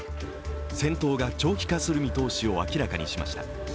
戦闘が長期化する見通しを明らかにしました。